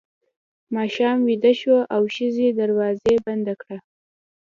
ماشوم ویده شو او ښځې دروازه بنده کړه.